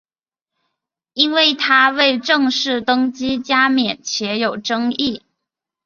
因为他未正式登基加冕且有争议。